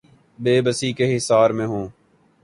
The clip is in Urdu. بے بسی کے حصار میں ہوں۔